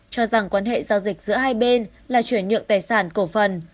cho rằng quan hệ giao dịch giữa hai bên là chuyển nhượng tài sản cổ phần